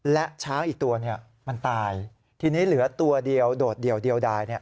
และช้างอีกตัวมันตายทีนี้เหลือตัวเดียวโดดเดี่ยวดาย